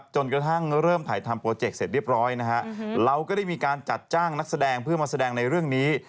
จนกระทั่งเริ่มถ่ายทำโปรเจกต์เสร็จเรียบร้อยนะฮะเราก็ได้มีการจัดจ้างนักแสดงเพื่อมาแสดงในเรื่องนี้